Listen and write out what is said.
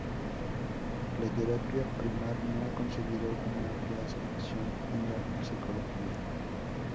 La terapia primal no ha conseguido una amplia aceptación en la psicología.